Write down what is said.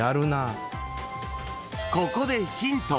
［ここでヒント。